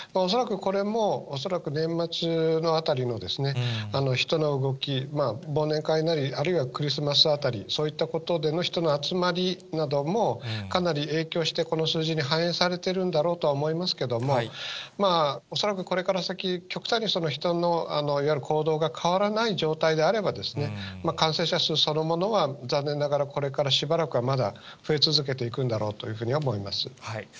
恐らくこれも、恐らく年末のあたりの人の動き、忘年会なり、あるいはクリスマスあたり、そういったことでの人の集まりなどもかなり影響して、この数字に反映されてるんだろうとは思いますけども、恐らくこれから先、極端に人の、いわゆる行動が変わらない状態であれば、感染者数そのものは残念ながらこれからしばらくは、まだ増え続けていくんだろうというふうには思います。